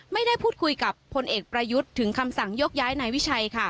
ไม่ได้พูดคุยกับพลเอกประยุทธ์ถึงคำสั่งยกย้ายนายวิชัยค่ะ